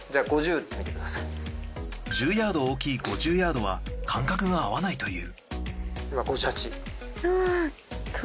１０ヤード大きい５０ヤードは感覚が合わないという。